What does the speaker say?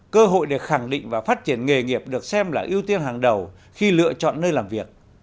cơ hội để khẳng định và phát triển nghề nghiệp được xem là ưu tiên hàng đầu khi lựa chọn nơi làm việc